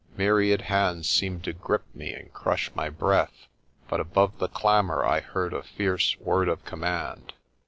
Myriad hands seemed to grip me and crush my breath, but above the clamour I heard a fierce word of command.